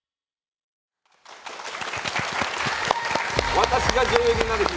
「『私が女優になる日＿』」